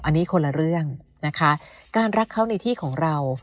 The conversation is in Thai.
อันนี้คนละเรื่องนะคะการรักเขาในที่ของเรา